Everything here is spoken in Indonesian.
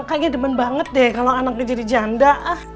mak kayaknya demen banget deh kalau anaknya jadi janda